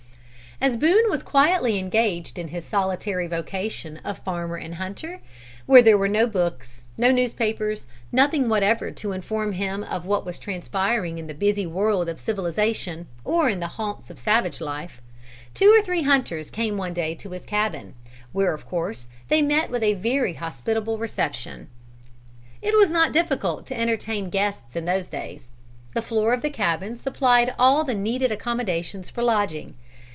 As Boone was quietly engaged in his solitary vocation of farmer and hunter, where there were no books, no newspapers, nothing whatever to inform him of what was transpiring in the busy world of civilization, or in the haunts of savage life, two or three hunters came one day to his cabin, where of course they met with a very hospitable reception. It was not difficult to entertain guests in those days. The floor of the cabin supplied all the needed accommodations for lodging.